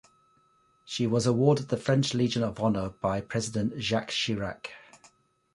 She was awarded the French Legion of Honour by President Jacques Chirac.